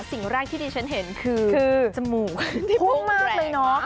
สิ่งแรกที่ดิฉันเห็นคือจมูกพุ่งมากเลยเนอะ